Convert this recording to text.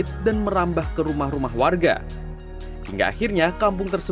keberadaan pohon anggur ini tersebar merambat di setiap gang dan bahkan hampir tersisa